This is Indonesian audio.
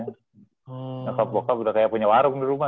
ngapain bokap udah kayak punya warung di rumah